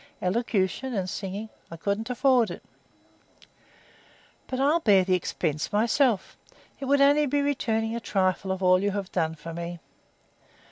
"Elocution and singing." "I couldn't afford it." "But I'd bear the expense myself. It would only be returning a trifle of all you have done for me."